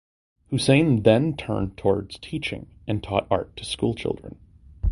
Husain then turned towards teaching and taught art to school children.